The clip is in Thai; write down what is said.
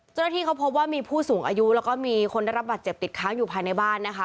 เจ้าหน้าที่เขาพบว่ามีผู้สูงอายุแล้วก็มีคนได้รับบัตรเจ็บติดค้างอยู่ภายในบ้านนะคะ